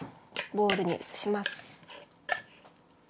ボウルに移します。